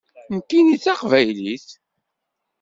Nekkini d taqbaylit.